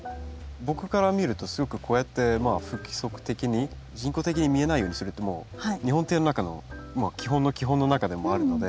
僕から見るとすごくこうやって不規則的に人工的に見えないようにするってもう日本庭園の中の基本の基本の中でもあるので。